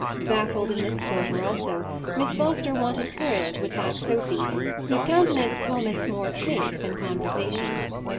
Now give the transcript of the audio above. Baffled in this quarter also, Miss Foster wanted courage to attack Sophy, whose countenance promised more cake than conversation.